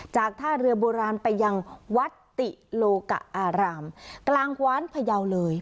จากท่าเรือโบราณไปยังวัดติโลกะอารามกลางกว้านพยาวเลย